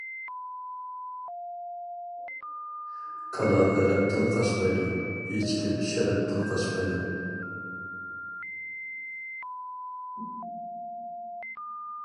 كالا ھەلەپتىن قاچمايدۇ، ھېچكىم شەرەپتىن قاچمايدۇ.